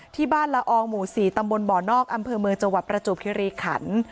ที่บ้านละอองหมู่๔ตำบลบ่อนอกอำเภอเมืองจังหวัดประจวบคิริขัน